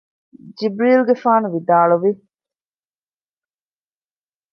ޖިބްރީލުގެފާނު ވިދާޅުވި